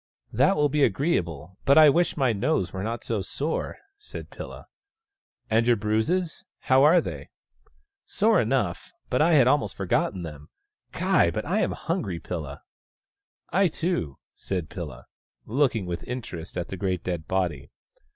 " That will be agreeable, but I wish my nose were not so sore," said Pilla. " And your bruises— how are they ?"" Sore enough — but I had almost forgotten them. Ky, but I am hungry, Pilla !"" I, too," said Pilla, looking with interest at the great dead body.